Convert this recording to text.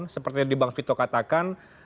seperti yang di bang fitoh katakan